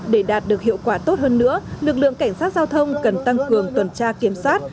để đạt được hiệu quả tốt hơn nữa lực lượng cảnh sát giao thông cần tăng cường tuần tra kiểm soát